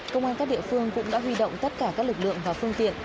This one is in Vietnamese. công an các địa phương cũng đã huy động tất cả các lực lượng và phương tiện